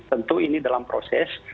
tentu ini dalam proses